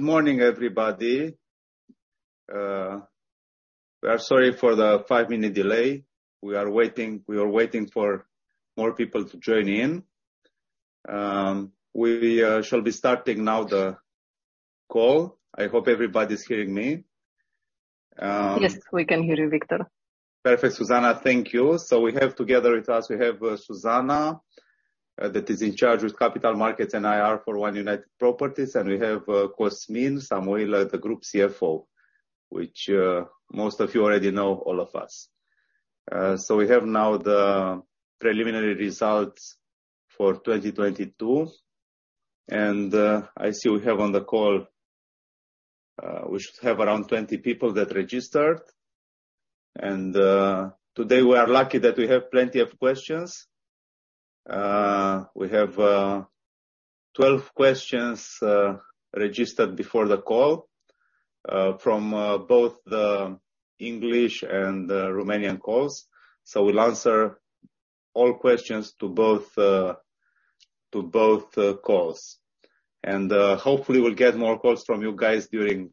Good morning, everybody. We are sorry for the 5-minute delay. We are waiting for more people to join in. We shall be starting now the call. I hope everybody's hearing me. Yes, we can hear you, Victor. Perfect, Zuzanna. Thank you. We have together with us, we have Zuzanna that is in charge with capital markets and IR for One United Properties, and we have Cosmin Samoilă, the group CFO, which most of you already know all of us. We have now the preliminary results for 2022. I see we have on the call, we should have around 20 people that registered. Today we are lucky that we have plenty of questions. We have 12 questions registered before the call from both the English and the Romanian calls. We'll answer all questions to both to both calls. Hopefully we'll get more calls from you guys during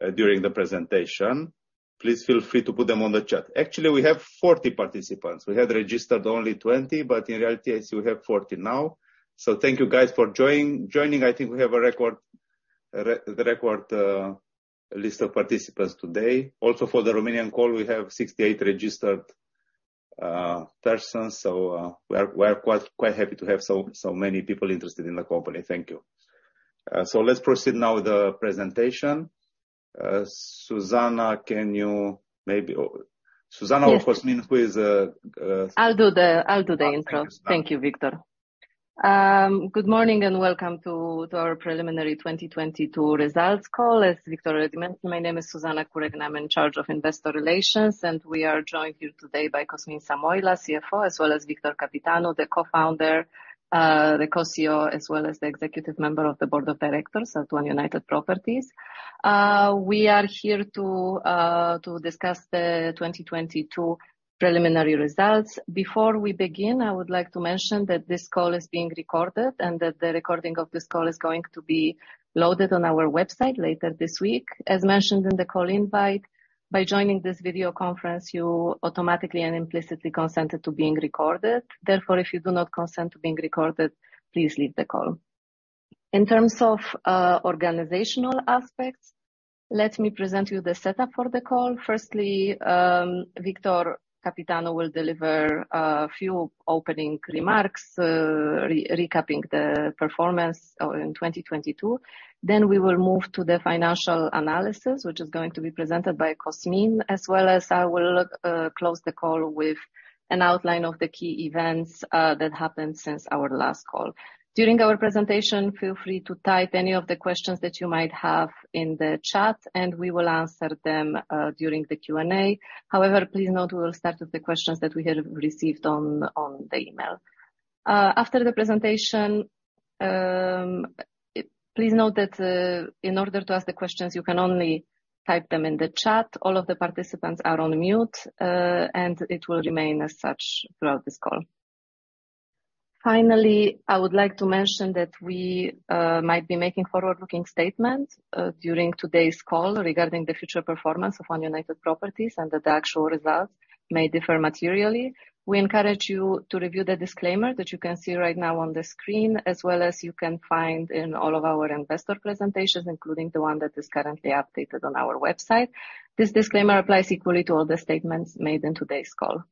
the presentation. Please feel free to put them on the chat. Actually, we have 40 participants. We had registered only 20, but in reality, I see we have 40 now. Thank you guys for joining. I think we have a record list of participants today. For the Romanian call, we have 68 registered persons. We are quite happy to have so many people interested in the company. Thank you. Let's proceed now with the presentation. Zuzanna, can you maybe... Zuzanna or Cosmin Samoilă, who is- I'll do the intro. Oh, thank you. Thank you, Victor. Good morning and welcome to our preliminary 2022 results call. As Victor already mentioned, my name is Zuzanna Kurek, and I'm in charge of investor relations. We are joined here today by Cosmin Samoilă, CFO, as well as Victor Căpitanu, the co-founder, the co-CEO, as well as the executive member of the board of directors at One United Properties. We are here to discuss the 2022 preliminary results. Before we begin, I would like to mention that this call is being recorded. The recording of this call is going to be loaded on our website later this week. As mentioned in the call invite, by joining this video conference, you automatically and implicitly consent to being recorded. If you do not consent to being recorded, please leave the call. In terms of organizational aspects, let me present you the setup for the call. Firstly, Victor Căpitanu will deliver a few opening remarks, recapping the performance in 2022. We will move to the financial analysis, which is going to be presented by Cosmin, as well as I will close the call with an outline of the key events that happened since our last call. During our presentation, feel free to type any of the questions that you might have in the chat, and we will answer them during the Q&A. Please note we will start with the questions that we have received on the email. After the presentation, please note that in order to ask the questions, you can only type them in the chat. All of the participants are on mute, and it will remain as such throughout this call. Finally, I would like to mention that we might be making forward-looking statements during today's call regarding the future performance of One United Properties and that the actual results may differ materially. We encourage you to review the disclaimer that you can see right now on the screen, as well as you can find in all of our investor presentations, including the one that is currently updated on our website. This disclaimer applies equally to all the statements made in today's call.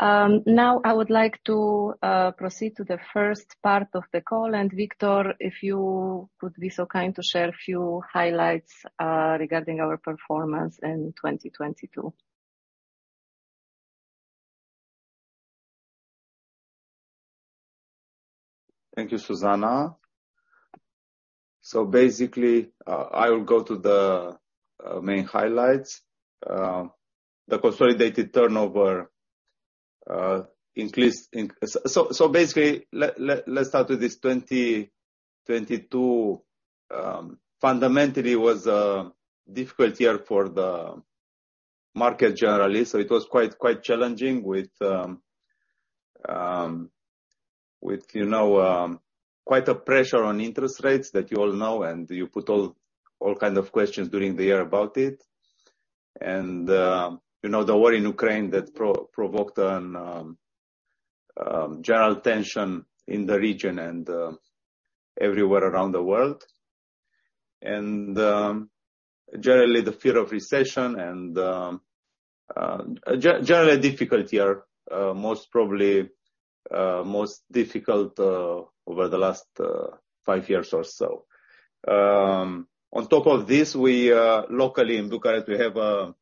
Now I would like to proceed to the first part of the call. Victor, if you would be so kind to share a few highlights regarding our performance in 2022. Thank you, Zuzanna. Basically, I will go to the main highlights. The consolidated turnover increased in... Basically, let's start with this. 2022 fundamentally was a difficult year for the market generally. It was quite challenging with, you know, quite a pressure on interest rates that you all know, and you put all kind of questions during the year about it. You know, the war in Ukraine that provoked a general tension in the region and everywhere around the world. Generally the fear of recession and generally a difficult year, most probably most difficult over the last 5 years or so. On top of this, we locally in Bucharest have a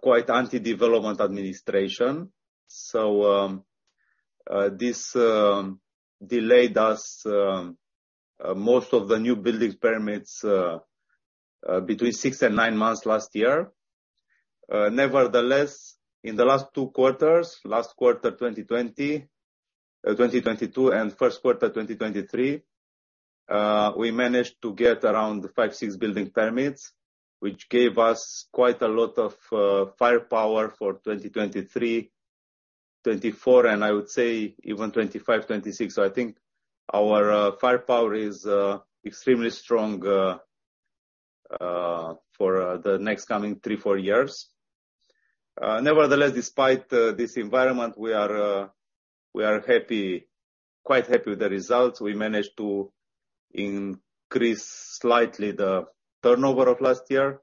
quite anti-development administration. This delayed us most of the new building permits between 6 and 9 months last year. Nevertheless, in the last 2 quarters, last quarter 2020, 2022 and first quarter 2023, we managed to get around 5, 6 building permits, which gave us quite a lot of firepower for 2023-2024, and I would say even 2025-2026. I think our firepower is extremely strong for the next coming 3, 4 years. Nevertheless, despite this environment, we are happy, quite happy with the results. We managed to increase slightly the turnover of last year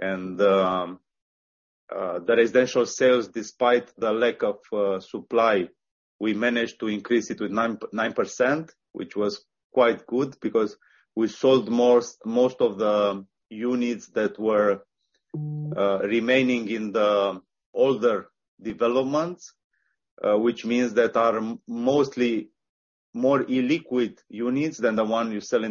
and the residential sales, despite the lack of supply, we managed to increase it with 9%, which was quite good because we sold most of the units that were remaining in the older developments. Which means that are mostly more illiquid units than the one you sell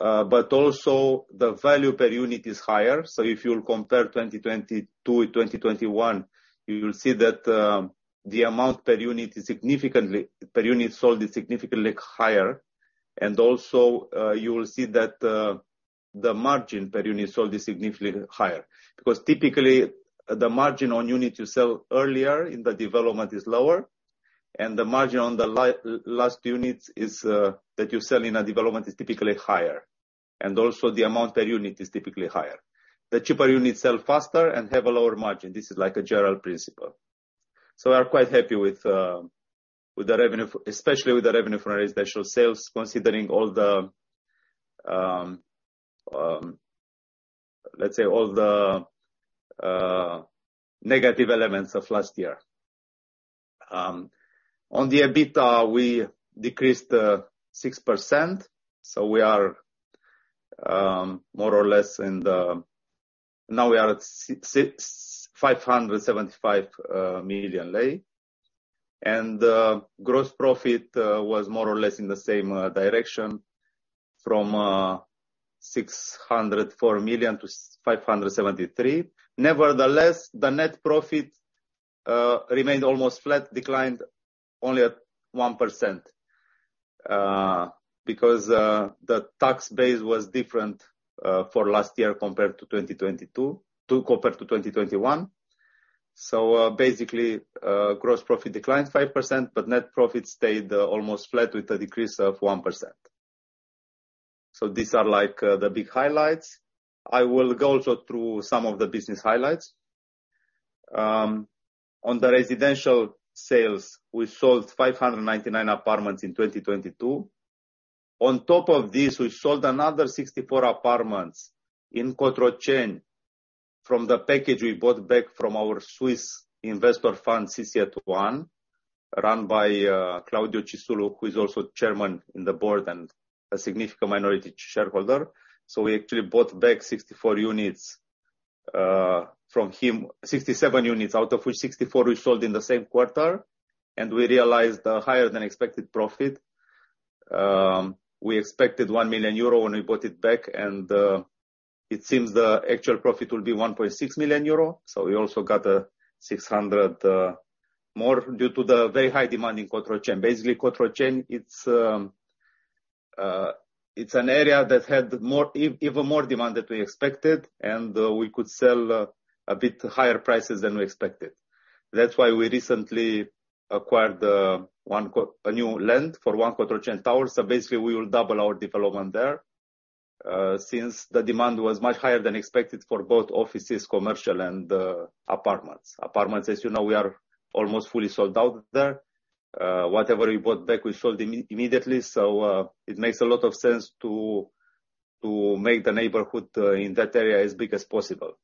in the beginning, but also the value per unit is higher. If you'll compare 2020 to 2021, you will see that the amount per unit is significantly. Per unit sold is significantly higher. Also, you will see that the margin per unit sold is significantly higher. Typically, the margin on unit you sell earlier in the development is lower, and the margin on the last units is that you sell in a development is typically higher. Also the amount per unit is typically higher. The cheaper units sell faster and have a lower margin. This is like a general principle. So we are quite happy with the revenue especially with the revenue from our residential sales, considering all the, let's say, all the negative elements of last year. On the EBITDA, we decreased 6%, so we are more or less in the... Now we are at 657 million lei. The gross profit was more or less in the same direction from 604 million lei to 573 million lei. Nevertheless, the net profit remained almost flat, declined only at 1%, because the tax base was different for last year compared to 2022 compared to 2021. Basically, gross profit declined 5%, but net profit stayed almost flat with a decrease of 1%. These are like the big highlights. I will go also through some of the business highlights. On the residential sales, we sold 599 apartments in 2022. On top of this, we sold another 64 apartments in Cotroceni from the package we bought back from our Swiss investor fund, CC@ONE, run by Claudio Cisullo, who is also Chairman in the Board and a significant minority shareholder. We actually bought back 64 units from him, 67 units out of which 64 we sold in the same quarter, and we realized a higher than expected profit. We expected 1 million euro when we bought it back, and it seems the actual profit will be 1.6 million euro. We also got 600,000 more due to the very high demand in Cotroceni. Cotroceni, it's an area that had more, even more demand than we expected, and we could sell a bit higher prices than we expected. That's why we recently acquired a new land for One Cotroceni Tower. We will double our development there since the demand was much higher than expected for both offices, commercial and apartments. Apartments, as you know, we are almost fully sold out there. Whatever we bought back, we sold immediately. It makes a lot of sense to make the neighborhood in that area as big as possible.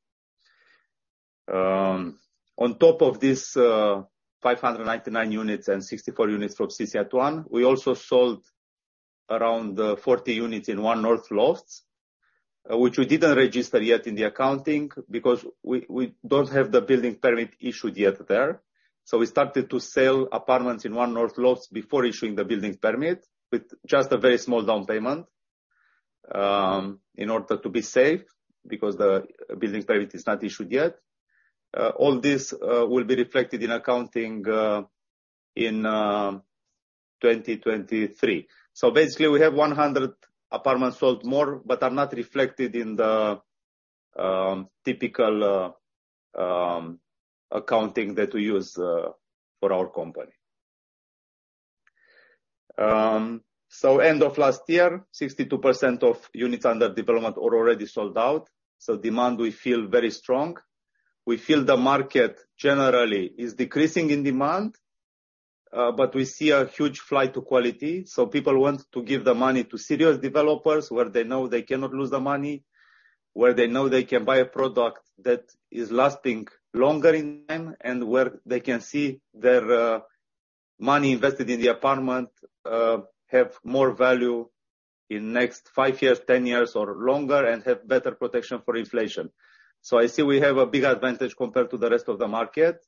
On top of this, 599 units and 64 units from CC@ONE, we also sold around 40 units in One North Lofts, which we don't have the building permit issued yet there. We started to sell apartments in One North Lofts before issuing the building permit with just a very small down payment in order to be safe because the building permit is not issued yet. All this will be reflected in accounting in 2023. We have 100 apartments sold more, but are not reflected in the typical accounting that we use for our company. End of last year, 62% of units under development are already sold out. Demand, we feel very strong. We feel the market generally is decreasing in demand, but we see a huge flight to quality. People want to give the money to serious developers where they know they cannot lose the money, where they know they can buy a product that is lasting longer in time, and where they can see their money invested in the apartment have more value in next 5 years, 10 years or longer, and have better protection for inflation. I see we have a big advantage compared to the rest of the market,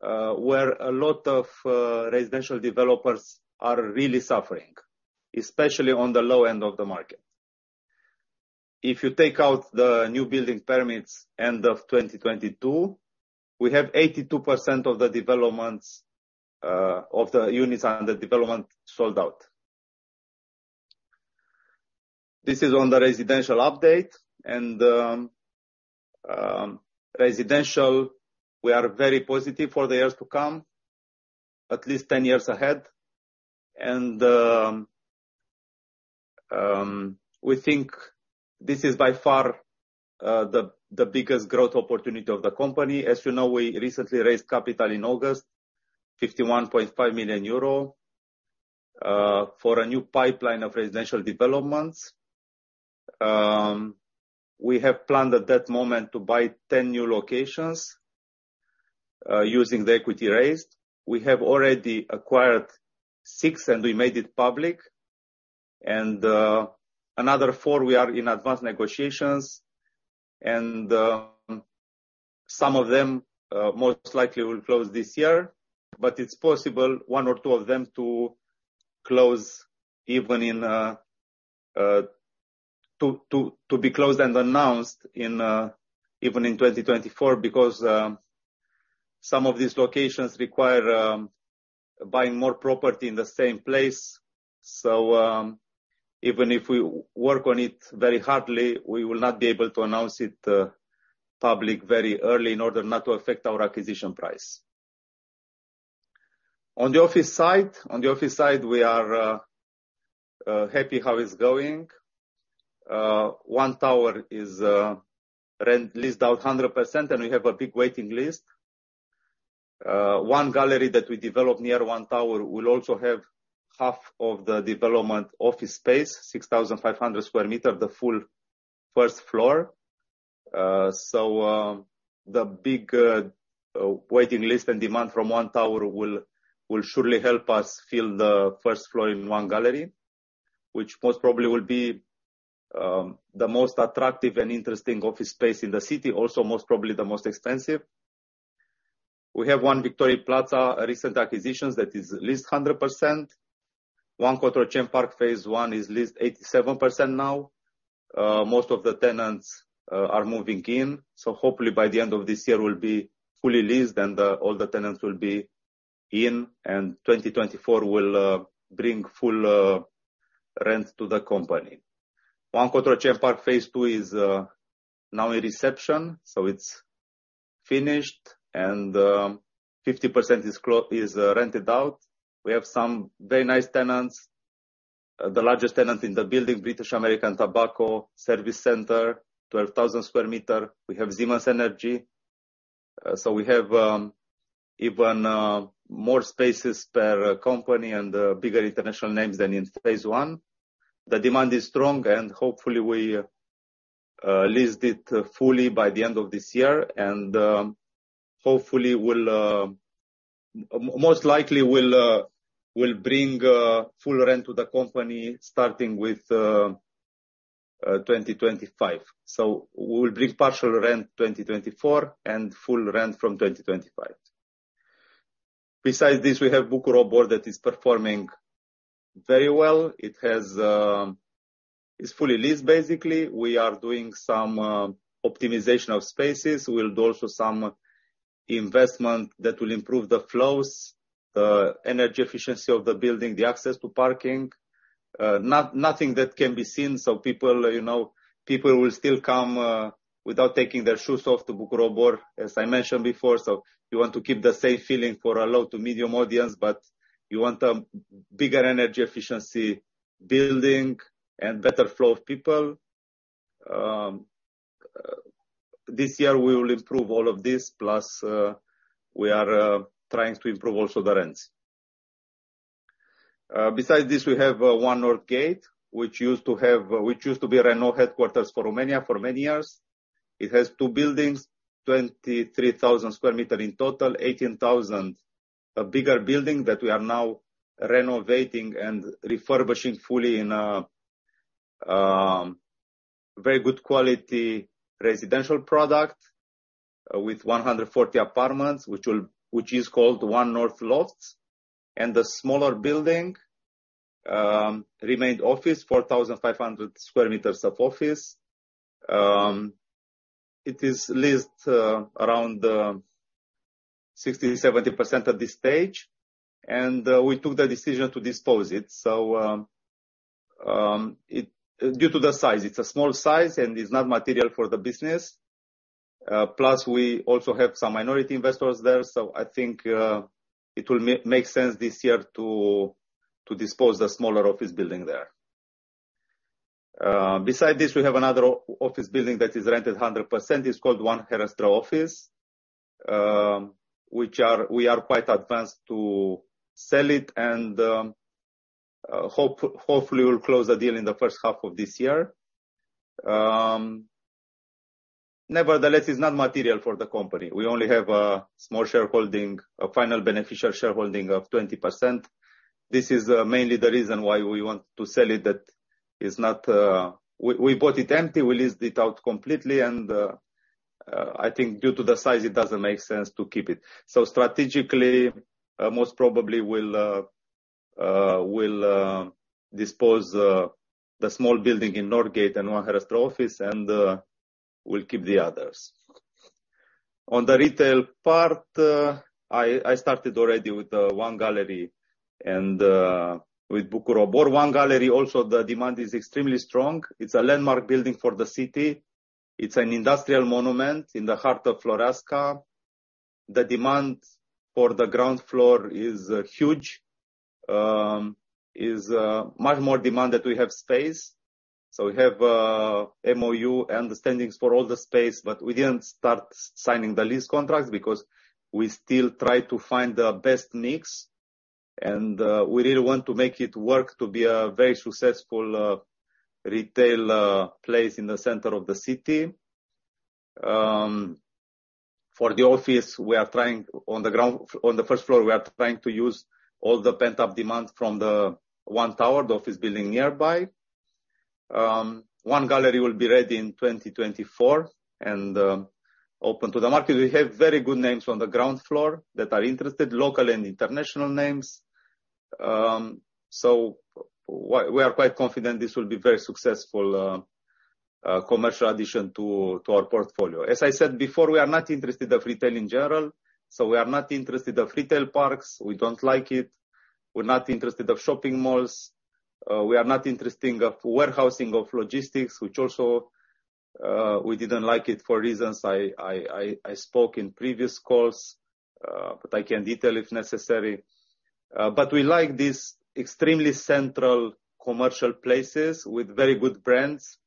where a lot of residential developers are really suffering, especially on the low end of the market. If you take out the new building permits end of 2022, we have 82% of the developments, of the units under development sold out. This is on the residential update and residential, we are very positive for the years to come, at least 10 years ahead. We think this is by far the biggest growth opportunity of the company. As you know, we recently raised capital in August, 51.5 million euro, for a new pipeline of residential developments. We have planned at that moment to buy 10 new locations, using the equity raised. We have already acquired 6, and we made it public. Another 4, we are in advanced negotiations and some of them most likely will close this year, but it's possible 1 or 2 of them to be closed and announced even in 2024 because some of these locations require buying more property in the same place. Even if we work on it very hardly, we will not be able to announce it public very early in order not to affect our acquisition price. On the office side, we are happy how it's going. One Tower is rent leased out 100%, and we have a big waiting list. One Gallery that we developed near One Tower will also have half of the development office space, 6,500 sq m, the full first floor. The big waiting list and demand from One Tower will surely help us fill the first floor in One Gallery, which most probably will be the most attractive and interesting office space in the city, also, most probably the most expensive. We have One Victoriei Plaza, recent acquisitions that is leased 100%. One Cotroceni Park Phase One is leased 87% now. Most of the tenants are moving in. Hopefully by the end of this year, we'll be fully leased and all the tenants will be in, and 2024 will bring full rent to the company. One Cotroceni Park Phase Two is now a reception, so it's finished and 50% is rented out. We have some very nice tenants. The largest tenant in the building, British American Tobacco Service Center, 12,000 square meter. We have Siemens Energy. We have even more spaces per company and bigger international names than in phase one. The demand is strong hopefully we lease it fully by the end of this year. Hopefully we'll most likely we'll bring full rent to the company starting with 2025. We'll bring partial rent 2024 and full rent from 2025. Besides this, we have Bucur Obor that is performing very well. It has it's fully leased basically. We are doing some optimization of spaces. We'll do also some investment that will improve the flows, energy efficiency of the building, the access to parking. Nothing that can be seen. People, you know, people will still come without taking their shoes off to Bucur Obor, as I mentioned before. You want to keep the same feeling for a low to medium audience, but you want a bigger energy efficiency building and better flow of people. This year we will improve all of this, plus we are trying to improve also the rents. Besides this, we have One North Gate, which used to be Renault headquarters for Romania for many years. It has 2 buildings, 23,000 sq m in total, 18,000 sq m. A bigger building that we are now renovating and refurbishing fully in a very good quality residential product with 140 apartments, which is called One North Lofts. The smaller building remained office, 4,500 square meters of office. It is leased around 60%-70% at this stage, and we took the decision to dispose it. Due to the size, it's a small size and is not material for the business. Plus we also have some minority investors there. I think it will make sense this year to dispose the smaller office building there. Besides this, we have another office building that is rented 100%. It's called One Herăstrău Office, we are quite advanced to sell it and hopefully, we'll close the deal in the first half of this year. Nevertheless, it's not material for the company. We only have a small shareholding, a final beneficial shareholding of 20%. This is mainly the reason why we want to sell it. That is not. We bought it empty, we leased it out completely, and I think due to the size, it doesn't make sense to keep it. Strategically, most probably we'll dispose the small building in Northgate and One Herăstrău Office, and we'll keep the others. On the retail part, I started already with One Gallery and with Bucur Obor. One Gallery also the demand is extremely strong. It's a landmark building for the city. It's an industrial monument in the heart of Floreasca. The demand for the ground floor is huge. Is much more demand that we have space. We have MoU understandings for all the space, but we didn't start signing the lease contracts because we still try to find the best mix, and we really want to make it work to be a very successful retail place in the center of the city. For the office, we are trying on the first floor, we are trying to use all the pent-up demand from the One Tower, the office building nearby. One Gallery will be ready in 2024 and open to the market. We have very good names on the ground floor that are interested, local and international names. We are quite confident this will be very successful commercial addition to our portfolio. As I said before, we are not interested of retail in general, we are not interested of retail parks. We don't like it. We're not interested of shopping malls. We are not interested of warehousing, of logistics, which also we didn't like it for reasons I spoke in previous calls, but I can detail if necessary. We like these extremely central commercial places with very good brands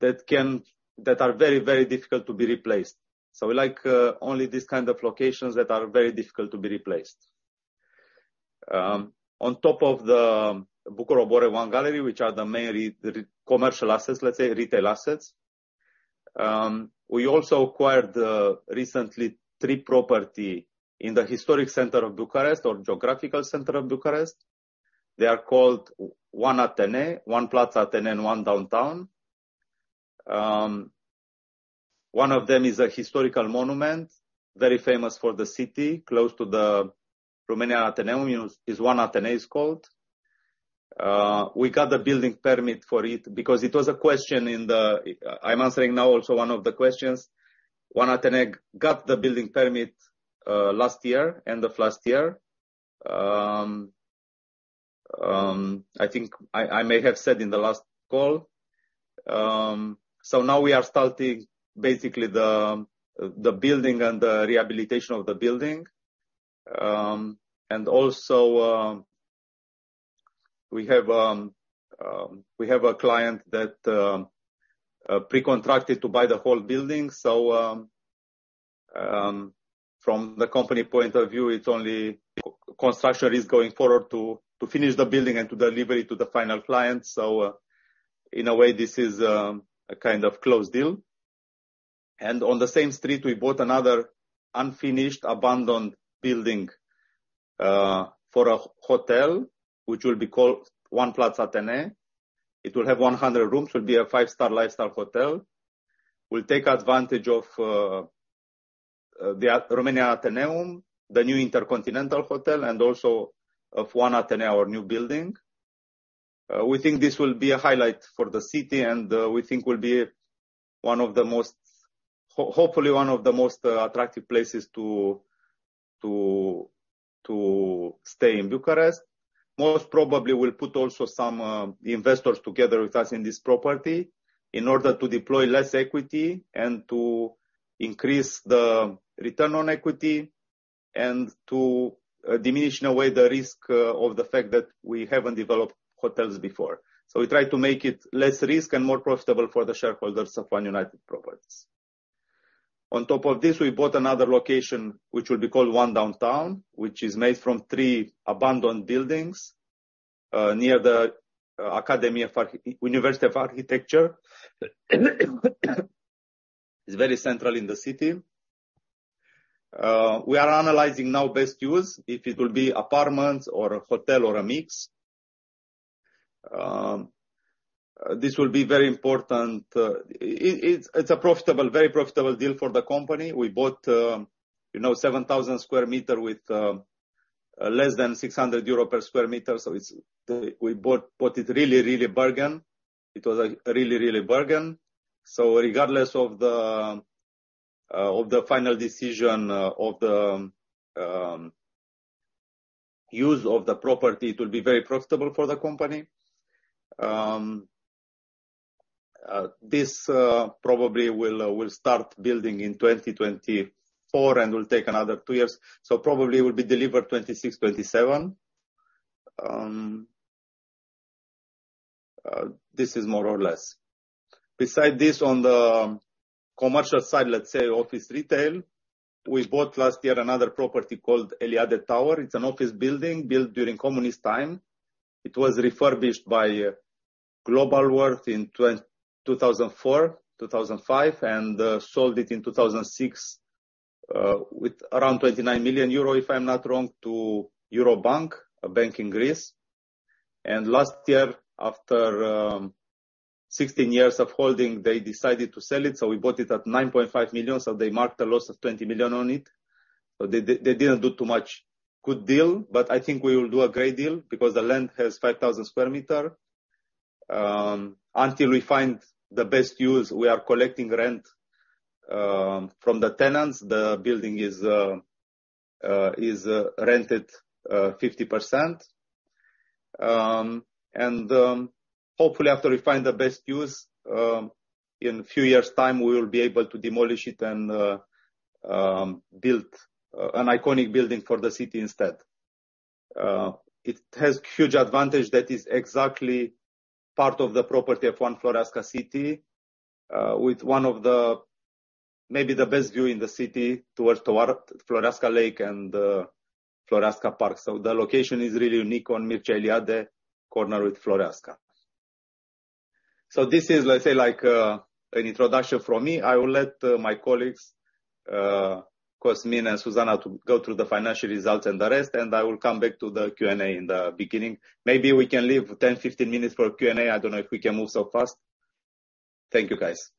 that are very, very difficult to be replaced. We like only these kind of locations that are very difficult to be replaced. On top of the Bucur Obor One Gallery, which are the main commercial assets, let's say, retail assets, we also acquired recently three property in the historic center of Bucharest or geographical center of Bucharest. They are called One Athénée, One Plaza Athénée, and One Downtown. One of them is a historical monument, very famous for the city, close to the Romanian Ateneum, is One Athénée it's called. We got the building permit for it because it was a question in the... I'm answering now also one of the questions. One Athénée got the building permit last year, end of last year. I think I may have said in the last call. Now we are starting basically the building and the rehabilitation of the building. We have a client that pre-contracted to buy the whole building. From the company point of view, it's only construction is going forward to finish the building and to deliver it to the final client. In a way, this is a kind of closed deal. On the same street, we bought another unfinished, abandoned building for a hotel, which will be called One Plaza Athénée. It will have 100 rooms. It will be a five-star lifestyle hotel. Will take advantage of the Romanian Ateneum, the new Intercontinental Hotel, and also of One Athénée, our new building. We think this will be a highlight for the city, we think will be one of the most... Hopefully one of the most attractive places to stay in Bucharest. Most probably, we'll put also some investors together with us in this property in order to deploy less equity and to increase the return on equity and to diminish in a way the risk of the fact that we haven't developed hotels before. We try to make it less risk and more profitable for the shareholders of One United Properties. On top of this, we bought another location, which will be called One Downtown, which is made from three abandoned buildings near the University of Architecture. It's very central in the city. We are analyzing now best use, if it will be apartments or a hotel or a mix. This will be very important. It's a profitable, very profitable deal for the company. We bought 7,000 square meter with less than 600 euro per square meter. It's, we bought it really bargain. It was a really bargain. Regardless of the final decision of the use of the property, it will be very profitable for the company. This probably will start building in 2024 and will take another 2 years. Probably will be delivered 2026, 2027. This is more or less. Beside this, on the commercial side, let's say office retail, we bought last year another property called Eliade Tower. It's an office building built during communist time. It was refurbished by Globalworth in 2004, 2005, and sold it in 2006 with around 29 million euro, if I'm not wrong, to Eurobank, a bank in Greece. Last year, after 16 years of holding, they decided to sell it, so we bought it at 9.5 million, so they marked a loss of 20 million on it. They didn't do too much good deal, but I think we will do a great deal because the land has 5,000 sq m. Until we find the best use, we are collecting rent from the tenants. The building is rented 50%. Hopefully after we find the best use, in few years' time, we will be able to demolish it and build an iconic building for the city instead. It has huge advantage that is exactly part of the property of One Floreasca City, with one of the maybe the best view in the city towards toward Floreasca Lake and Floreasca Park. The location is really unique on Mircea Eliade corner with Floreasca. This is let's say like an introduction from me. I will let my colleagues, Cosmin and Zuzanna, to go through the financial results and the rest, and I will come back to the Q&A in the beginning. Maybe we can leave 10, 15 minutes for Q&A. I don't know if we can move so fast. Thank you, guys.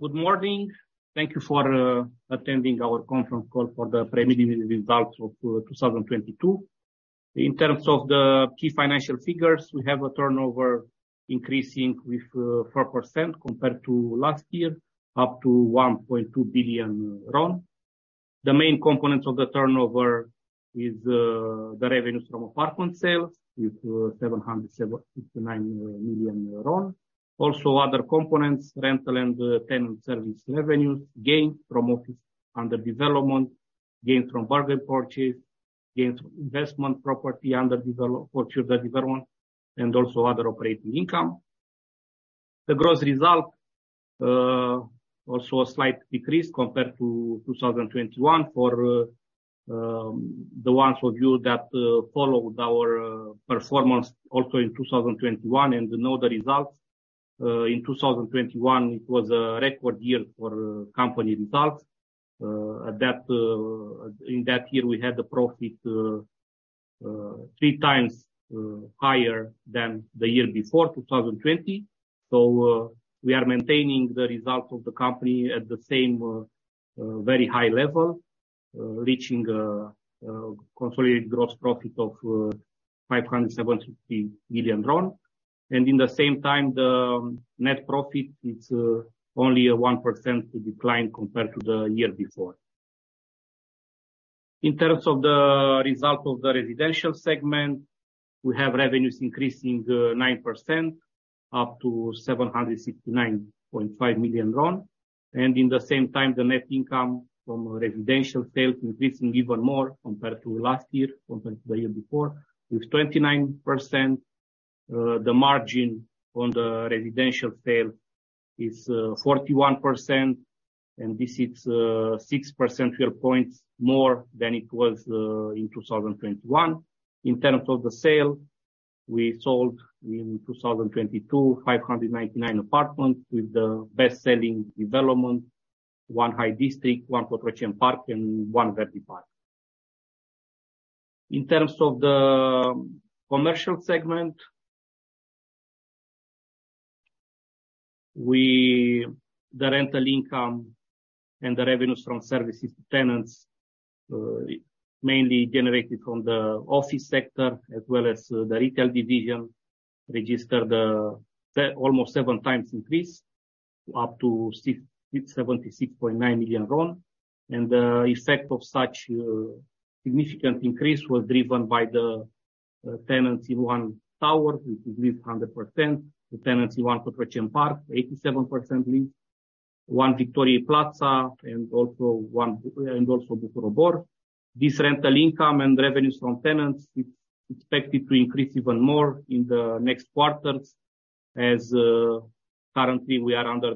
Good morning. Thank you for attending our conference call for the preliminary results of 2022. In terms of the key financial figures, we have a turnover increasing with 4% compared to last year, up to RON 1.2 billion. The main components of the turnover is the revenues from apartment sales with RON 779 million. Also other components, rental and tenant service revenues gained from office under development, gained from bargain purchase, gained from investment property under development for future development, and also other operating income. The gross result also a slight decrease compared to 2021. For the ones of you that followed our performance also in 2021 and know the results in 2021, it was a record year for company results. At that in that year, we had the profit 3 times higher than the year before, 2020. We are maintaining the results of the company at the same very high level, reaching consolidated gross profit of RON 570 million. In the same time, the net profit, it's only a 1% decline compared to the year before. In terms of the results of the residential segment, we have revenues increasing 9% up to RON 769.5 million. In the same time, the net income from residential sales increasing even more compared to last year compared to the year before, with 29%. The margin on the residential sale is 41%, and this is 6 percentile points more than it was in 2021. In terms of the sale, we sold in 2022, 599 apartments with the best-selling development, One High-District, One Cotroceni Park, and One Verdi Park. In terms of the commercial segment, we. The rental income and the revenues from services to tenants, mainly generated from the office sector as well as the retail division, registered almost 7 times increase, up to 76.9 million RON. The effect of such significant increase was driven by the tenancy One Tower, which is leased 100%, the tenancy One Cotroceni Park, 87% leased, One Victoriei Plaza, and also One and also Bucur Obor. This rental income and revenues from tenants is expected to increase even more in the next quarters as currently we are under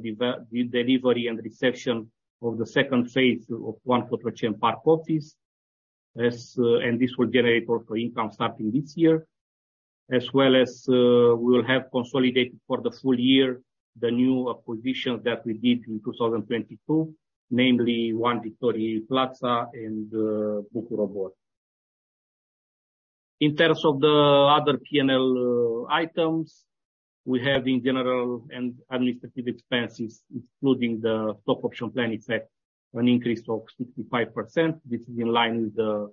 delivery and reception of the second phase of One Cotroceni Park office. This will generate also income starting this year. As well as, we will have consolidated for the full year the new acquisitions that we did in 2022, namely One Victoriei Plaza and Bucur Obor. In terms of the other P&L items, we have in general and administrative expenses, including the stock option plan effect, an increase of 65%. This is in line with the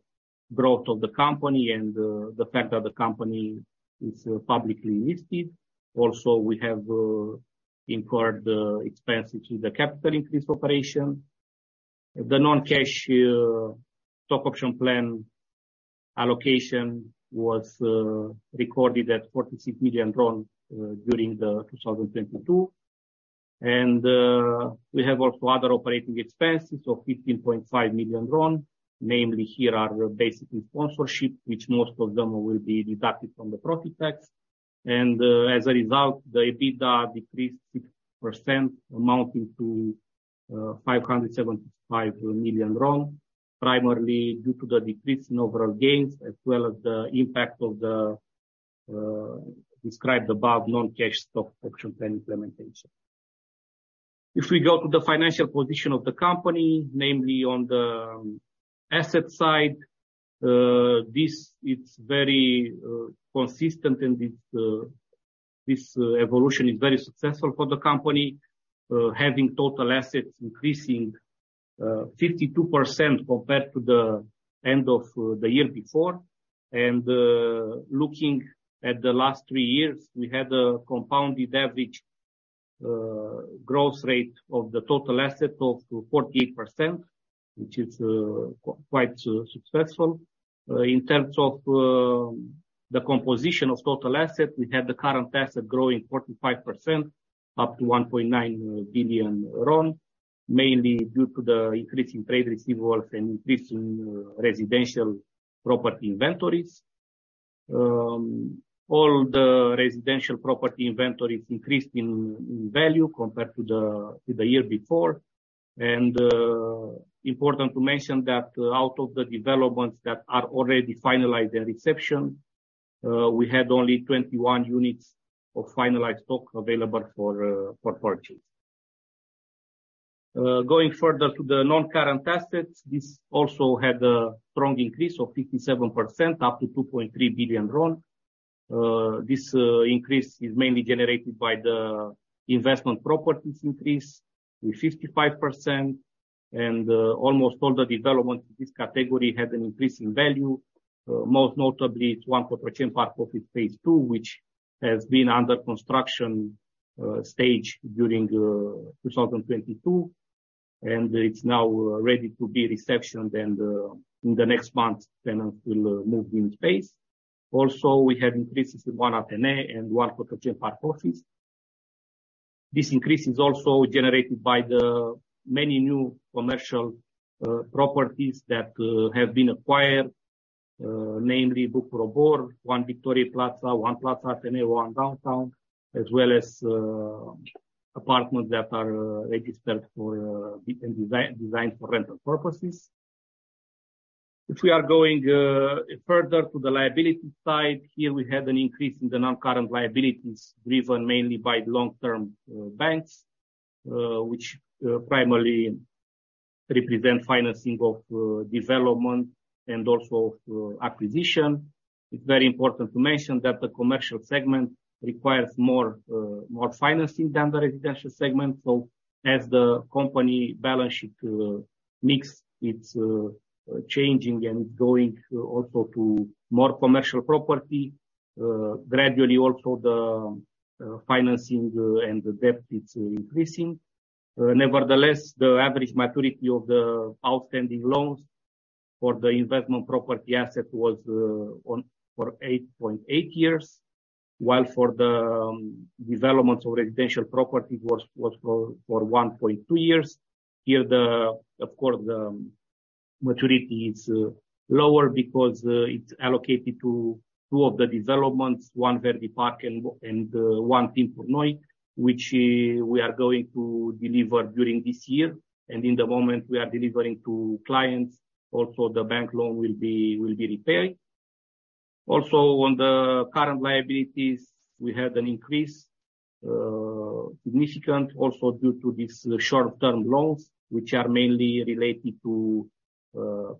growth of the company and the fact that the company is publicly listed. Also, we have incurred expense into the capital increase operation. The non-cash stock option plan allocation was recorded at RON 46 million during 2022. We have also other operating expenses of RON 15.5 million. Namely here are basically sponsorship, which most of them will be deducted from the profit tax. As a result, the EBITDA decreased 6%, amounting to RON 575 million, primarily due to the decrease in overall gains, as well as the impact of the described above non-cash stock option plan implementation. We go to the financial position of the company, namely on the asset side, this is very consistent, and this evolution is very successful for the company. Having total assets increasing 52% compared to the end of the year before. Looking at the last 3 years, we had a compounded average growth rate of the total asset of 48%, which is quite successful. In terms of the composition of total asset, we had the current asset growing 45% up to RON 1.9 billion, mainly due to the increase in trade receivables and increase in residential property inventories. All the residential property inventories increased in value compared to the year before. Important to mention that out of the developments that are already finalized and reception, we had only 21 units of finalized stock available for purchase. Going further to the non-current assets, this also had a strong increase of 57% up to RON 2.3 billion. This increase is mainly generated by the investment properties increase, with 55% and almost all the development in this category had an increase in value. Most notably at One Cotroceni Park Office Phase Two which has been under construction stage during 2022, and it's now ready to be reception-ed and in the next month tenants will move in phase. Also, we have increases in One Athénée and One Cotroceni Park Office. This increase is also generated by the many new commercial properties that have been acquired, namely Bucur Obor, One Victoriei Plaza, One Plaza Athénée, One Downtown, as well as apartments that are registered for designed for rental purposes. If we are going further to the liability side, here we have an increase in the non-current liabilities, driven mainly by long-term banks, which primarily represent financing of development and also acquisition. It's very important to mention that the commercial segment requires more financing than the residential segment. As the company balance sheet mix, it's changing and it's going also to more commercial property. Gradually also the financing and the debt, it's increasing. Nevertheless, the average maturity of the outstanding loans for the investment property asset was for 8.8 years, while for the development of residential property it was for 1.2 years. Here, of course, the maturity is lower because it's allocated to 2 of the developments, One Verdi Park and One Timpuri Noi, which we are going to deliver during this year. In the moment we are delivering to clients, also the bank loan will be repaid. On the current liabilities, we had an increase significant also due to these short-term loans, which are mainly related to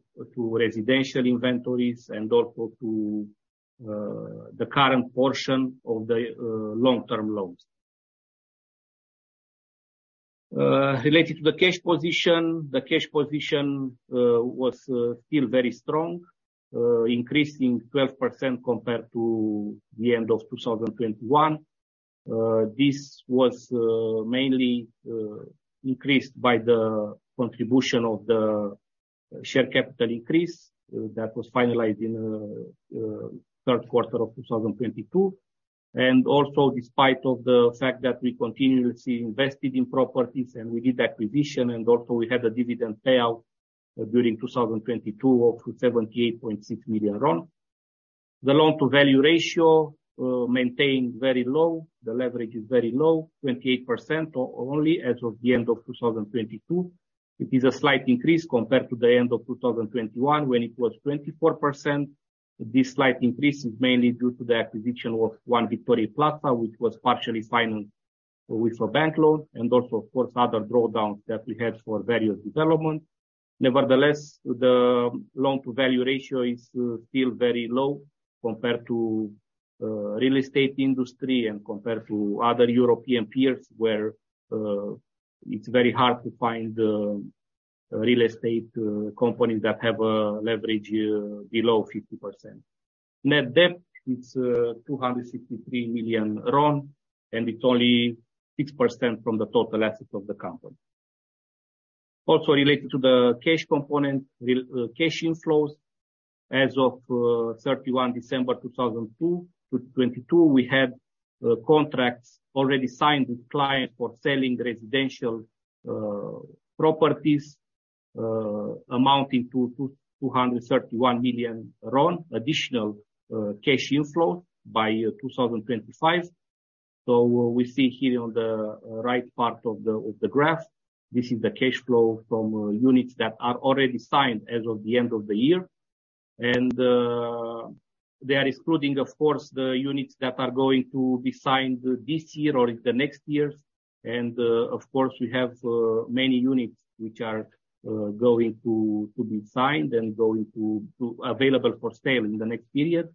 residential inventories and also to the current portion of the long-term loans. Related to the cash position. The cash position was still very strong, increasing 12% compared to the end of 2021. This was mainly increased by the contribution of the share capital increase that was finalized in third quarter of 2022. Despite of the fact that we continuously invested in properties and we did acquisition and also we had a dividend payout during 2022 of 78.6 million RON. The loan-to-value ratio maintained very low. The leverage is very low, 28% only as of the end of 2022. It is a slight increase compared to the end of 2021, when it was 24%. This slight increase is mainly due to the acquisition of One Victoriei Plaza, which was partially financed with a bank loan, and also of course, other drawdowns that we had for various development. Nevertheless, the loan-to-value ratio is still very low compared to real estate industry and compared to other European peers where it's very hard to find real estate companies that have a leverage below 50%. Net debt, it's RON 263 million, and it's only 6% from the total asset of the company. Related to the cash component, cash inflows. As of 31 December 2022, we had contracts already signed with client for selling residential properties amounting to RON 231 million additional cash inflows by year 2025. What we see here on the right part of the graph, this is the cash flow from units that are already signed as of the end of the year. They are excluding, of course, the units that are going to be signed this year or in the next years. Of course, we have many units which are going to be signed and going to available for sale in the next period.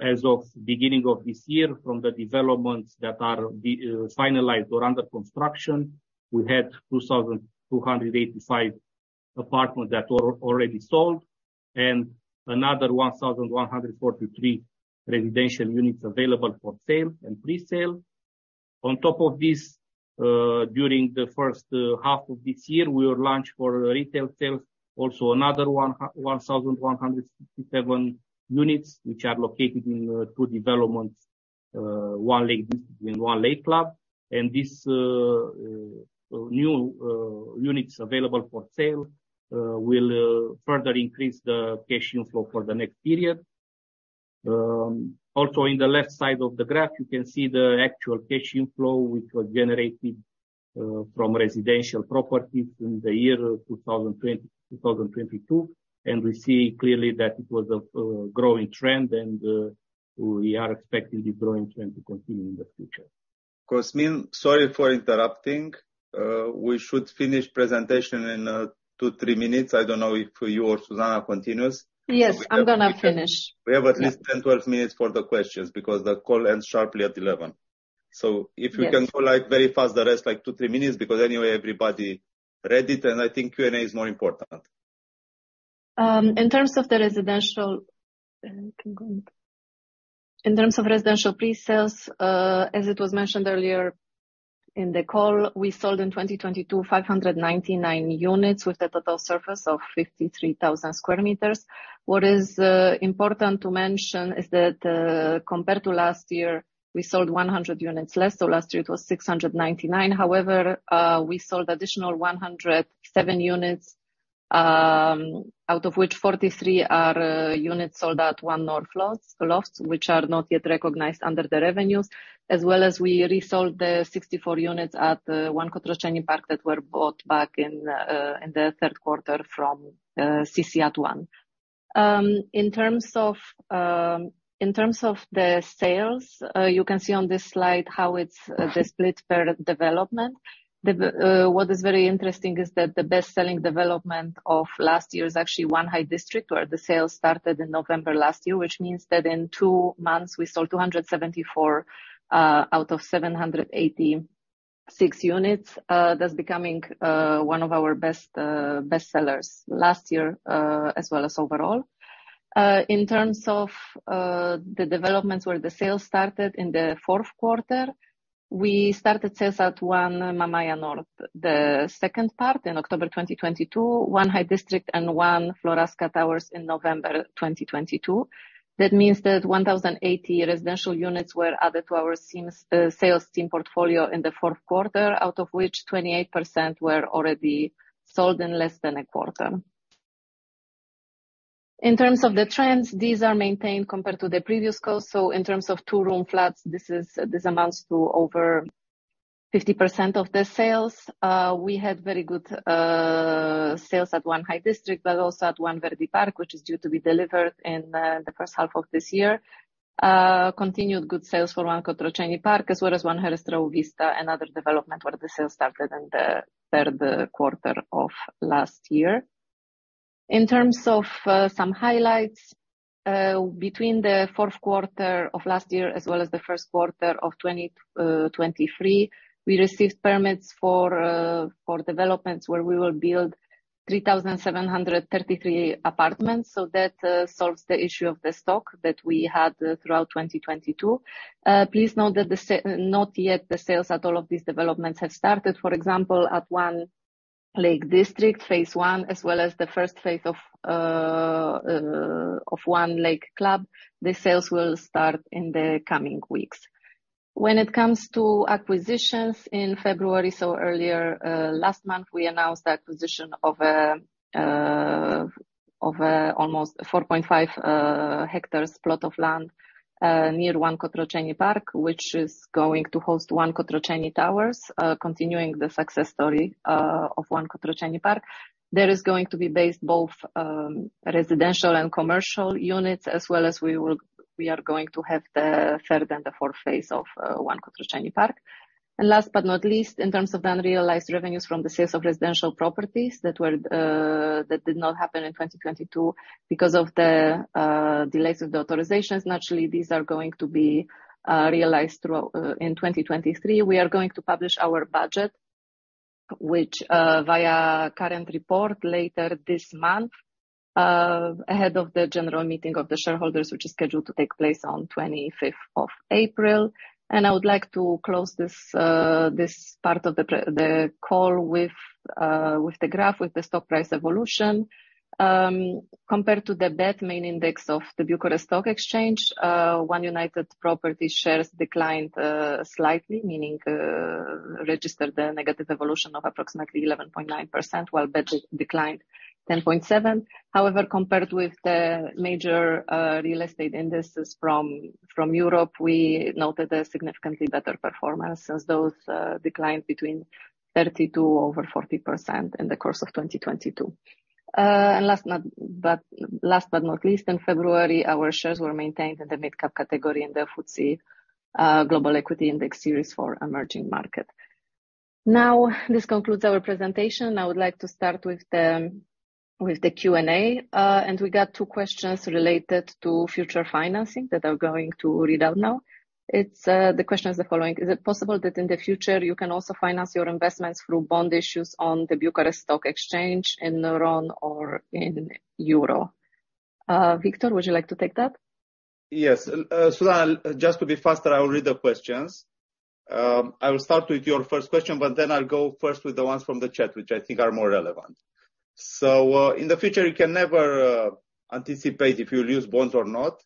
As of beginning of this year, from the developments that are finalized or under construction, we had 2,285 apartments that were already sold and another 1,143 residential units available for sale and pre-sale. On top of this, during the first half of this year, we will launch for retail sales also another 1,157 units, which are located in two developments, One Lake District and One Lake Club. This new units available for sale will further increase the cash inflow for the next period. Also in the left side of the graph, you can see the actual cash inflow, which was generated from residential properties in the year 2020, 2022, and we see clearly that it was a growing trend and we are expecting the growing trend to continue in the future. Cosmin, sorry for interrupting. We should finish presentation in, two, three minutes. I don't know if you or Zuzanna continues. Yes, I'm gonna finish. We have at least 10, 12 minutes for the questions because the call ends sharply at 11. if you can. Yes. go, like, very fast the rest, like, 2, 3 minutes, because anyway, everybody read it, and I think Q&A is more important. In terms of the residential, can go on. In terms of residential pre-sales, as it was mentioned earlier in the call, we sold in 2022, 599 units with a total surface of 53,000 square meters. What is important to mention is that, compared to last year, we sold 100 units less. Last year it was 699. However, we sold additional 107 units, out of which 43 are units sold at One North Lofts, which are not yet recognized under the revenues. As well as we resold the 64 units at One Cotroceni Park that were bought back in the third quarter from CCI at One. In terms of, in terms of the sales, you can see on this slide how it's the split per development. The what is very interesting is that the best-selling development of last year is actually One High District, where the sales started in November last year, which means that in 2 months we sold 274 out of 786 units. That's becoming one of our best best sellers last year, as well as overall. In terms of the developments where the sales started in the fourth quarter, we started sales at One Mamaia North, the second part in October 2022, One High District and One Floreasca Towers in November 2022. That means that 1,080 residential units were added to our sales team portfolio in the fourth quarter, out of which 28% were already sold in less than a quarter. In terms of the trends, these are maintained compared to the previous quarter. In terms of two-room flats, this amounts to over 50% of the sales. We had very good sales at One High District, but also at One Verdi Park, which is due to be delivered in the first half of this year. Continued good sales for One Cotroceni Park, as well as One Herastrau Vista and other development, where the sales started in the third quarter of last year. In terms of some highlights, between the fourth quarter of last year as well as the first quarter of 2023, we received permits for developments where we will build 3,733 apartments. That solves the issue of the stock that we had throughout 2022. Please note that not yet the sales at all of these developments have started. For example, at One Lake District, phase one, as well as the first phase of One Lake Club, the sales will start in the coming weeks. When it comes to acquisitions in February, so earlier, last month, we announced the acquisition of a, of a almost 4.5 hectares plot of land, near One Cotroceni Park, which is going to host One Cotroceni Towers, continuing the success story, of One Cotroceni Park. There is going to be based both, residential and commercial units, as well as we are going to have the third and the fourth phase of One Cotroceni Park. Last but not least, in terms of unrealized revenues from the sales of residential properties that were, that did not happen in 2022 because of the delays of the authorizations, naturally, these are going to be realized throughout, in 2023. We are going to publish our budget, which, via current report later this month, ahead of the general meeting of the shareholders, which is scheduled to take place on 25th of April. I would like to close this part of the call with the graph, with the stock price evolution. Compared to the BET main index of the Bucharest Stock Exchange, One United Properties shares declined, slightly, meaning, registered a negative evolution of approximately 11.9%, while BET declined 10.7%. Compared with the major real estate indices from Europe, we noted a significantly better performance as those declined between 30% to over 40% in the course of 2022. Last but not least, in February, our shares were maintained in the mid-cap category in the FTSE Global Equity Index Series for emerging market. This concludes our presentation. I would like to start with the Q&A. We got 2 questions related to future financing that I'm going to read out now. The question is the following: Is it possible that in the future you can also finance your investments through bond issues on the Bucharest Stock Exchange in RON or in euro? Victor, would you like to take that? Yes. Just to be faster, I will read the questions. I will start with your first question, I'll go first with the ones from the chat, which I think are more relevant. In the future, you can never anticipate if you'll use bonds or not.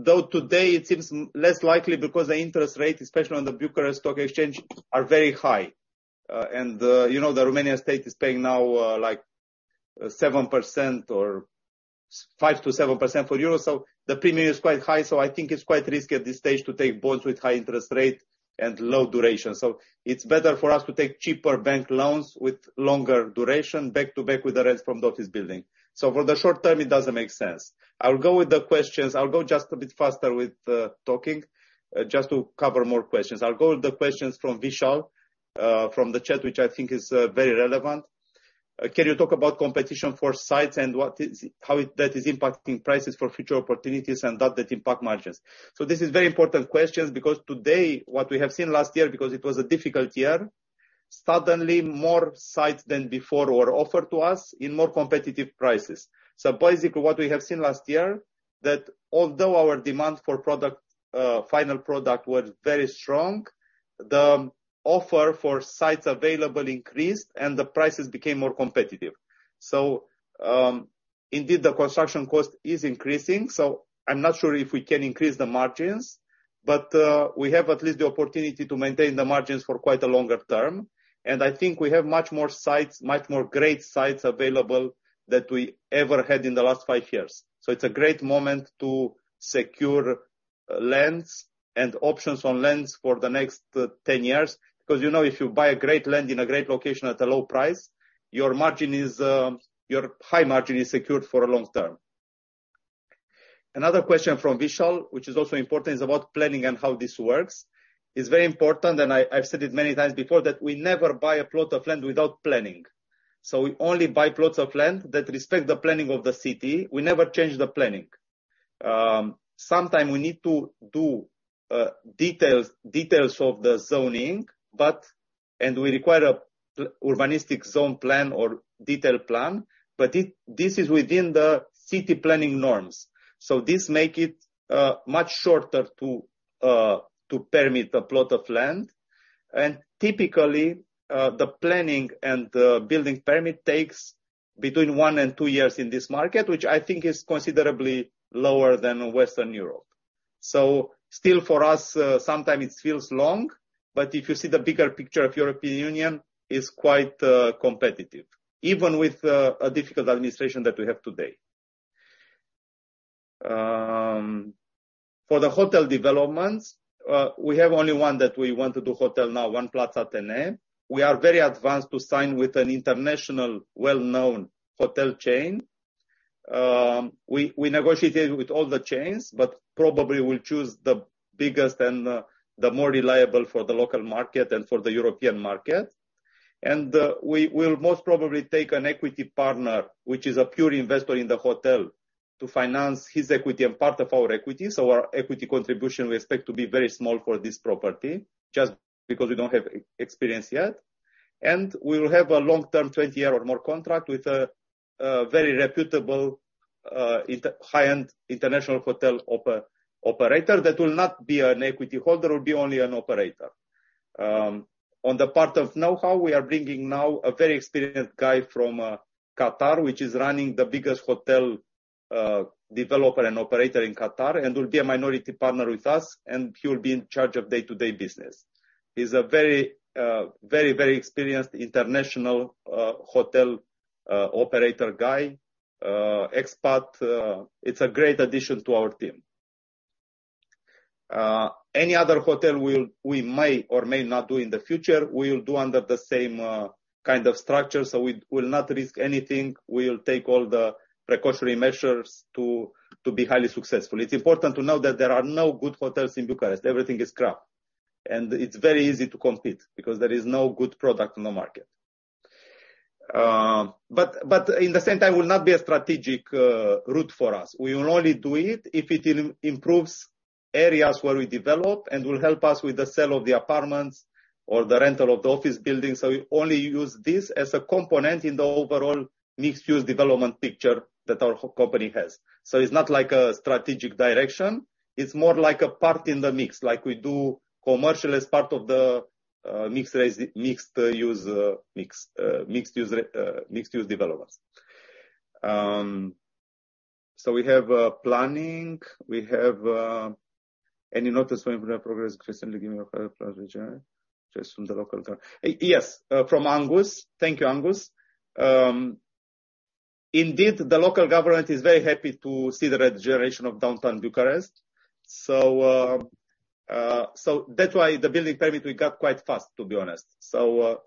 Though today it seems less likely because the interest rate, especially on the Bucharest Stock Exchange, are very high. You know, the Romanian state is paying now, like 7% or 5%-7% for EUR, the premium is quite high. I think it's quite risky at this stage to take bonds with high interest rate and low duration. It's better for us to take cheaper bank loans with longer duration back-to-back with the rest from the office building. For the short term, it doesn't make sense. I'll go with the questions. I'll go just a bit faster with the talking, just to cover more questions. I'll go with the questions from Vishal, from the chat, which I think is very relevant. Can you talk about competition for sites and how that is impacting prices for future opportunities and does it impact margins? This is very important questions because today, what we have seen last year, because it was a difficult year, suddenly more sites than before were offered to us in more competitive prices. Basically, what we have seen last year, that although our demand for product, final product was very strong, the offer for sites available increased and the prices became more competitive. Indeed, the construction cost is increasing, so I'm not sure if we can increase the margins, but we have at least the opportunity to maintain the margins for quite a longer term. I think we have much more sites, much more great sites available than we ever had in the last five years. It's a great moment to secure lands and options on lands for the next 10 years. You know, if you buy a great land in a great location at a low price, your margin is, your high margin is secured for a long term. Another question from Vishal, which is also important, is about planning and how this works. It's very important, and I've said it many times before, that we never buy a plot of land without planning. We only buy plots of land that respect the planning of the city. We never change the planning. Sometime we need to do details of the zoning, and we require a Zonal Urban Plan or detailed plan, but this is within the city planning norms. This make it much shorter to permit a plot of land. Typically, the planning and the building permit takes between one and two years in this market, which I think is considerably lower than Western Europe. Still for us, sometime it feels long, but if you see the bigger picture of European Union, it's quite competitive, even with a difficult administration that we have today. For the hotel developments, we have only one that we want to do hotel now, One Plaza Athénée. We are very advanced to sign with an international well-known hotel chain. We negotiated with all the chains, probably we'll choose the biggest and the more reliable for the local market and for the European market. We will most probably take an equity partner, which is a pure investor in the hotel, to finance his equity and part of our equity. Our equity contribution we expect to be very small for this property, just because we don't have experience yet. We will have a long-term, 20-year or more contract with a very reputable, high-end international hotel operator that will not be an equity holder, will be only an operator. On the part of know-how, we are bringing now a very experienced guy from Qatar, which is running the biggest hotel developer and operator in Qatar, and will be a minority partner with us, and he will be in charge of day-to-day business. He's a very, very, very experienced international hotel operator guy, expert. It's a great addition to our team. Any other hotel we may or may not do in the future, we will do under the same kind of structure. We will not risk anything. We will take all the precautionary measures to be highly successful. It's important to know that there are no good hotels in Bucharest. Everything is crap. It's very easy to compete because there is no good product on the market. In the same time, it will not be a strategic route for us. We will only do it if it improves areas where we develop and will help us with the sale of the apartments or the rental of the office buildings. We only use this as a component in the overall mixed-use development picture that our company has. It's not like a strategic direction. It's more like a part in the mix, like we do commercial as part of the mixed-use developments. We have planning, we have any notice when we have progress. Yes, from Angus. Thank you, Angus. Indeed, the local government is very happy to see the regeneration of downtown Bucharest. That's why the building permit we got quite fast, to be honest.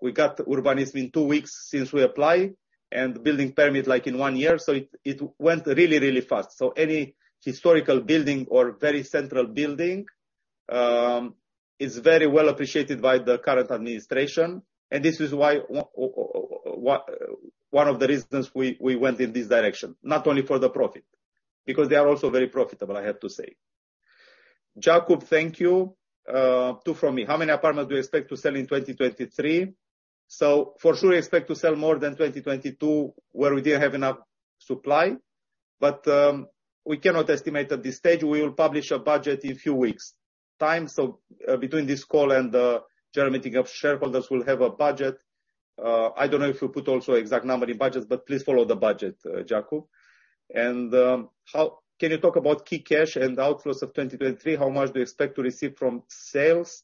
We got urbanism in 2 weeks since we applied and the building permit, like in 1 year. It went really, really fast. Any historical building or very central building is very well appreciated by the current administration, and this is why one of the reasons we went in this direction, not only for the profit, because they are also very profitable, I have to say. Jacob, thank you, too from me. How many apartments do you expect to sell in 2023? For sure, we expect to sell more than 2022 where we didn't have enough supply, but we cannot estimate at this stage. We will publish a budget in few weeks time. Between this call and the general meeting of shareholders, we'll have a budget. I don't know if you put also exact number in budgets, but please follow the budget, Jacob. Can you talk about key cash and outflows of 2023? How much do you expect to receive from sales?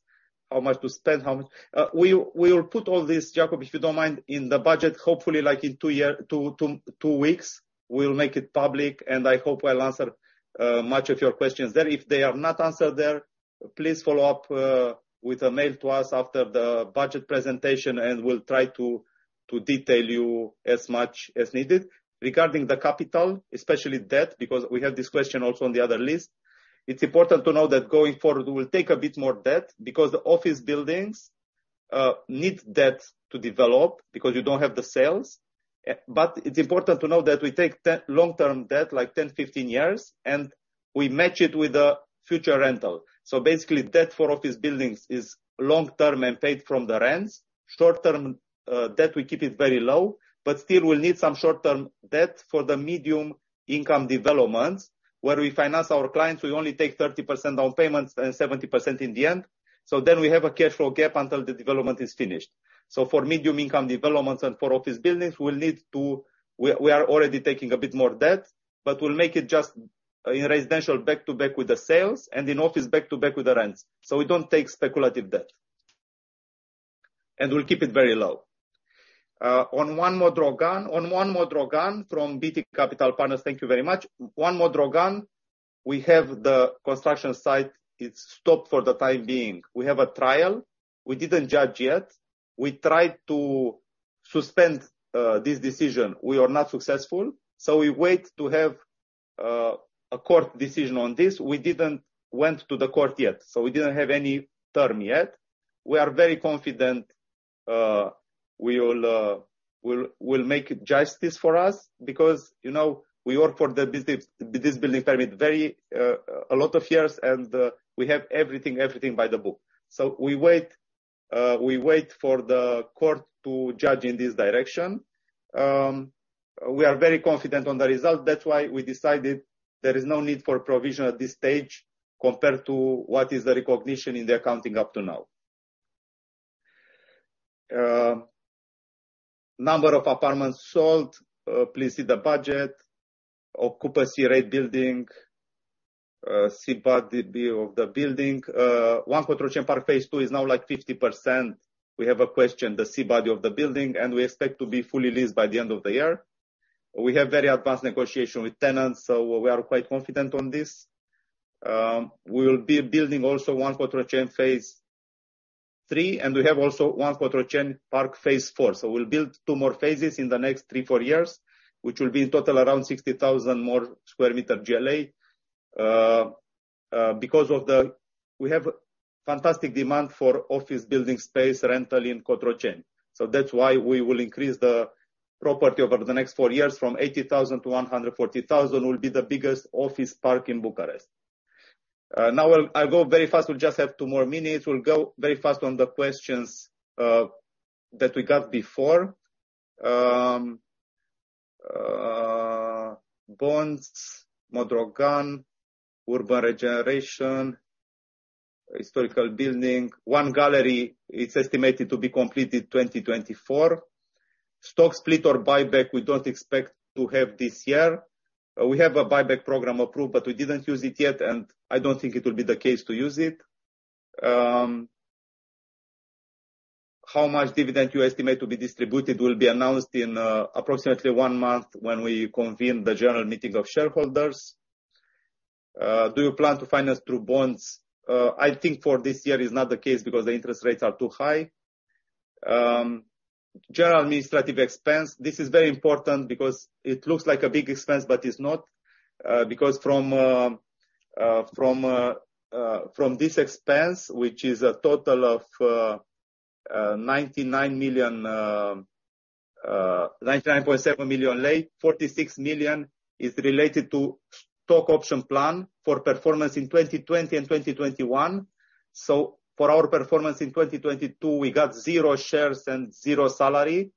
How much to spend? How much? We'll put all this, Jacob, if you don't mind, in the budget, hopefully like in 2 weeks. We'll make it public, and I hope I'll answer much of your questions there. If they are not answered there, please follow up with a mail to us after the budget presentation and we'll try to detail you as much as needed. Regarding the capital, especially debt, because we have this question also on the other list. It's important to know that going forward, we'll take a bit more debt because office buildings need debt to develop because you don't have the sales. But it's important to know that we take long-term debt, like 10, 15 years, and we match it with the future rental. Basically, debt for office buildings is long-term and paid from the rents. Short-term debt, we keep it very low, but still we'll need some short-term debt for the medium income developments. Where we finance our clients, we only take 30% down payments and 70% in the end. Then we have a cash flow gap until the development is finished. For medium income developments and for office buildings, we'll need to... We are already taking a bit more debt. We'll make it just in residential back-to-back with the sales and in office back-to-back with the rents. We don't take speculative debt. We'll keep it very low. On One Modrogan from BT Capital Partners, thank you very much. One Modrogan, we have the construction site. It's stopped for the time being. We have a trial. We didn't judge yet. We tried to suspend this decision. We are not successful. We wait to have a court decision on this. We didn't went to the court yet. We didn't have any term yet. We are very confident we will make justice for us because, you know, we work for the building permit very a lot of years. We have everything by the book. We wait for the court to judge in this direction. We are very confident on the result. That's why we decided there is no need for provision at this stage compared to what is the recognition in the accounting up to now. Number of apartments sold, please see the budget. Occupancy rate building, C-body of the building. One Cotroceni Park phase two is now like 50%. We have a question, the C-body of the building, and we expect to be fully leased by the end of the year. We have very advanced negotiation with tenants, so we are quite confident on this. We will be building also One Cotroceni phase three, and we have also One Cotroceni Park phase four. We'll build 2 more phases in the next 3-4 years, which will be in total around 60,000 more square meter GLA. We have fantastic demand for office building space rental in Cotroceni. That's why we will increase the property over the next 4 years from 80,000 to 140,000. We'll be the biggest office park in Bucharest. Now I'll go very fast. We just have 2 more minutes. We'll go very fast on the questions that we got before. Bonds, One Modrogan, urban regeneration, historical building. One Gallery is estimated to be completed 2024. Stock split or buyback, we don't expect to have this year. We have a buyback program approved, but we didn't use it yet, and I don't think it will be the case to use it. How much dividend you estimate to be distributed will be announced in approximately 1 month when we convene the general meeting of shareholders. Do you plan to finance through bonds? I think for this year is not the case because the interest rates are too high. General administrative expense, this is very important because it looks like a big expense, but it's not. Because from this expense, which is a total of RON 99.7 million, RON 46 million is related to stock option plan for performance in 2020 and 2021. For our performance in 2022, we got 0 shares and 0 salary.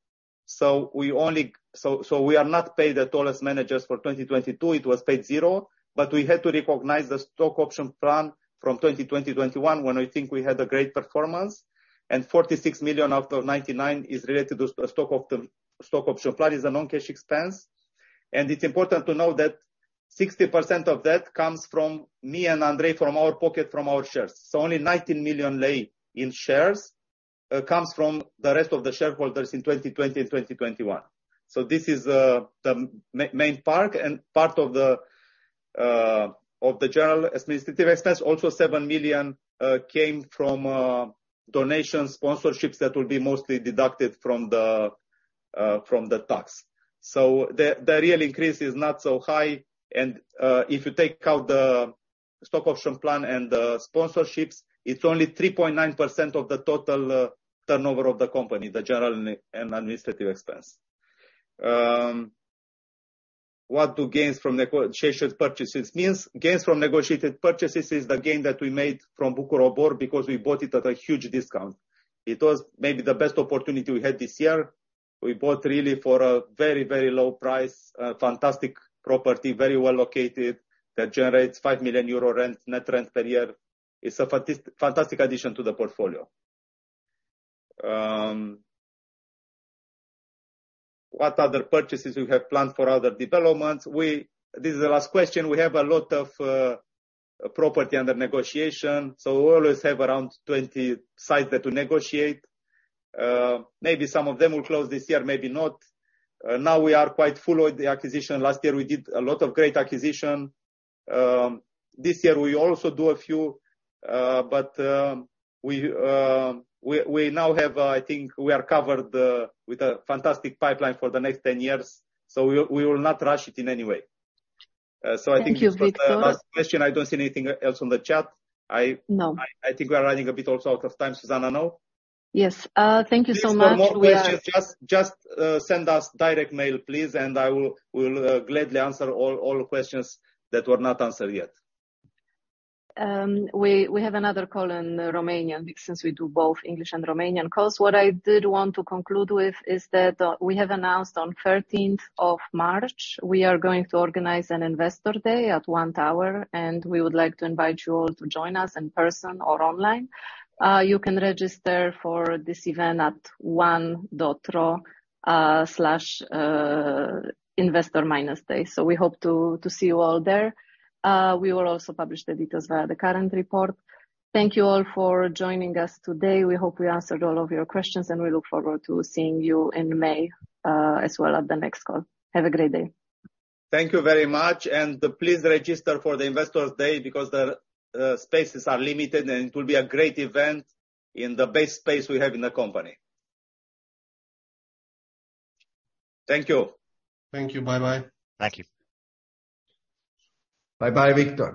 We are not paid at all as managers for 2022. It was paid 0. We had to recognize the stock option plan from 2020, 2021 when we think we had a great performance. RON 46 million out of RON 99 is related to stock option plan. It's a non-cash expense. It's important to know that 60% of that comes from me and Andrei from our pocket, from our shares. Only RON 19 million in shares. It comes from the rest of the shareholders in 2020 and 2021. This is the main part and part of the general administrative expense. Also RON 7 million came from donations, sponsorships that will be mostly deducted from the tax. The real increase is not so high and if you take out the stock option plan and the sponsorships, it's only 3.9% of the total turnover of the company, the general and administrative expense. What do gains from negotiated purchases means? Gains from negotiated purchases is the gain that we made from Bucur Obor because we bought it at a huge discount. It was maybe the best opportunity we had this year. We bought really for a very, very low price, a fantastic property, very well located, that generates 5 million euro rent, net rent per year. It's a fantastic addition to the portfolio. What other purchases we have planned for other developments? This is the last question. We have a lot of property under negotiation, so we always have around 20 sites that we negotiate. Maybe some of them will close this year, maybe not. Now we are quite full with the acquisition. Last year, we did a lot of great acquisition. This year we also do a few, but we now have, I think we are covered with a fantastic pipeline for the next 10 years, so we will not rush it in any way. I think it's-. Thank you, Victor. Last question, I don't see anything else on the chat. No. I think we are running a bit also out of time, Zuzanna, no? Yes. Thank you so much. If you have more questions, just send us direct mail, please. I will gladly answer all questions that were not answered yet. We have another call in Romanian since we do both English and Romanian calls. What I did want to conclude with is that we have announced on 13th of March, we are going to organize an investor day at One Tower, and we would like to invite you all to join us in person or online. You can register for this event at one.ro/investor-day. We hope to see you all there. We will also publish the details via the current report. Thank you all for joining us today. We hope we answered all of your questions, and we look forward to seeing you in May as well at the next call. Have a great day. Thank you very much. Please register for the investors' day because the spaces are limited, and it will be a great event in the best space we have in the company. Thank you. Thank you. Bye-bye. Thank you. Bye-bye, Victor.